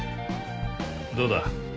どうだ？